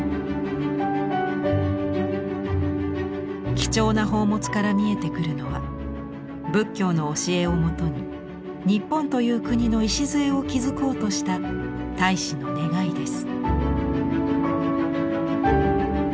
貴重な宝物から見えてくるのは仏教の教えをもとに日本という国の礎を築こうとした「太子の願い」です。